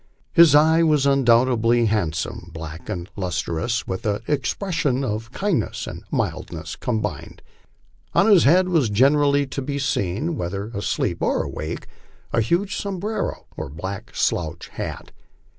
His eye was undoubtedly hand some, black and lustrous, with an expression of kindness and mildness com bined. On his head was generally to be seen, whether asleep or awake, a huge sombrero or black slouch hat.